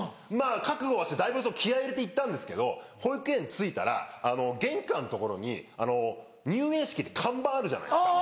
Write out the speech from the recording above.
覚悟はしてだいぶ気合入れて行ったんですけど保育園に着いたら玄関のところに「入園式」って看板あるじゃないですか。